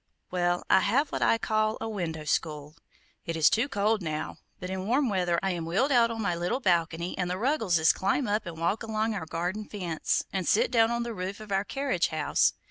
"Well, I have what I call a 'window school.' It is too cold now; but in warm weather I am wheeled out on my little balcony, and the Ruggleses climb up and walk along our garden fence, and sit down on the roof of our carriage house.